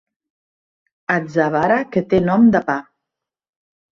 Atzavara que té nom de pa.